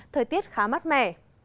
thời tiết khá mát mẻ